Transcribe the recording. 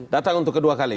datang untuk kedua kali